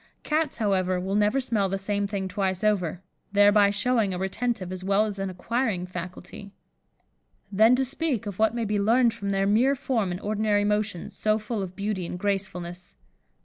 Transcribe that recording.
Cats, however, will never smell the same thing twice over, thereby showing a retentive as well as an acquiring faculty. Then to speak of what may be learned from their mere form and ordinary motions, so full of beauty and gracefulness.